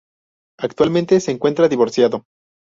Actualmente se encuentra divorciado.